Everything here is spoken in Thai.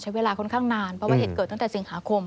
เวลาค่อนข้างนานเพราะว่าเหตุเกิดตั้งแต่สิงหาคม